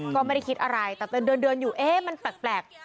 ก็ไม่ได้คิดอะไรแต่เดินอยู่เอ๊ะมันแปลก